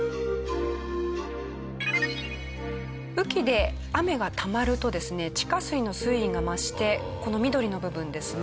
雨期で雨がたまるとですね地下水の水位が増してこの緑の部分ですね